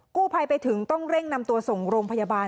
กู้ภัยไปถึงต้องเร่งนำตัวส่งโรงพยาบาล